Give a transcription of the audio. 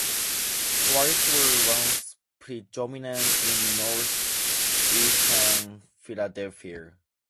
Whites were once predominant in northeastern Philadelphia.